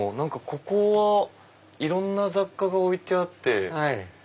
ここはいろんな雑貨が置いてあって。